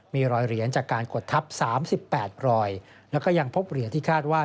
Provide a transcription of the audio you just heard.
มีรอยเหรียญจากการกดทับ๓๘รอยแล้วก็ยังพบเหรียญที่คาดว่า